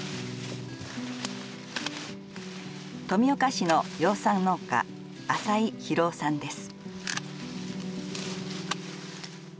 富岡市の養蚕農家浅井広大さんです。